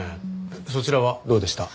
そちらはどうでした？